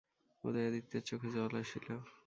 উদয়াদিত্যের চোখে জল আসিল।